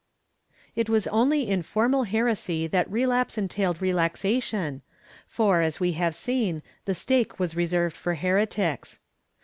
^ It was only in formal heresy that relapse entailed relaxation for, as we have seen, the stake was reserved for heretics.